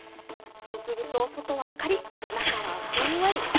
そうすると外はカリッ、中はふんわり。